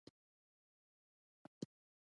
د اوربشو اوړه زیږه وي.